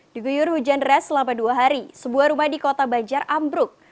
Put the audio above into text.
diguyur hujan res selama dua hari sebuah rumah di kota banjar ambruk